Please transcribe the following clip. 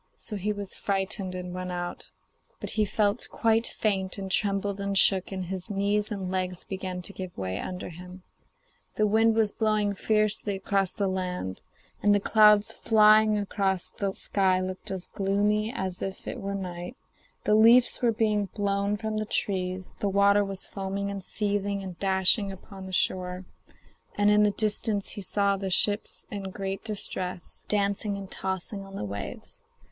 So he was frightened and went out; but he felt quite faint, and trembled and shook, and his knees and legs began to give way under him. The wind was blowing fiercely across the land, and the clouds flying across the sky looked as gloomy as if it were night; the leaves were being blown from the trees; the water was foaming and seething and dashing upon the shore, and in the distance he saw the ships in great distress, dancing and tossing on the waves.